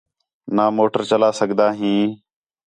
نا موٹر چَلا سڳدا ہیں